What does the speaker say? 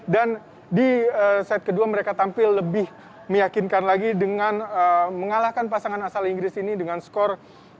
dan di set kedua mereka tampil lebih meyakinkan lagi dengan mengalahkan pasangan asal inggris ini dengan skor dua puluh satu lima belas